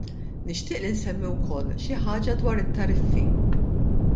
Nixtieq li nsemmi wkoll xi ħaġa dwar it-tariffi.